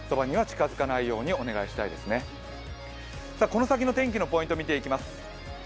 この先の天気のポイント見ていきます。